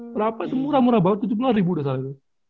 berapa itu murah murah banget tujuh puluh ribu dasar itu